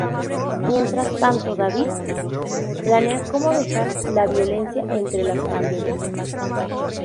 Mientras tanto, David planea cómo dejar la violencia entre las pandillas.